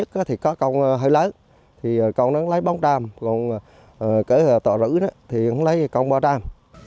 các con hơi lái thì con lấy bóng đam còn kể tọa rữ thì con lấy bóng đam